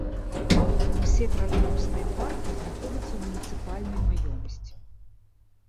Усе тралейбусныя паркі знаходзяцца ў муніцыпальнай маёмасці.